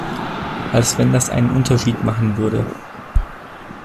Als wenn das einen Unterschied machen würde!